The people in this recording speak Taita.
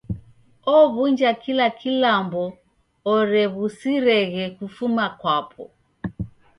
Ow'unja kila kilambo orew'usireghe kufuma kwape.